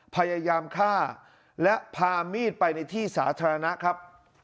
พยายามฆ่าและพามีดไปในที่สาธารณะครับ